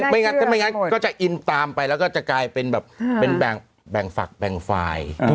ไม่งั้นถ้าไม่งั้นก็จะอินตามไปแล้วก็จะกลายเป็นแบบเป็นแบ่งฝักแบ่งฝ่าย